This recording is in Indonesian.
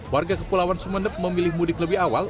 warga kepulauan sumeneb memilih mudik lebih awal